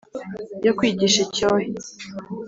Yo kwigisha icyohe,